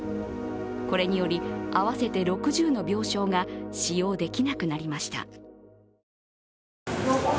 これにより、合わせて６０の病床が使用できなくなりました。